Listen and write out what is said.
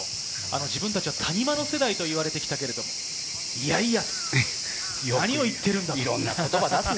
自分たちは谷間の世代と言われてきたけれど、いやいや何を言っているんだと。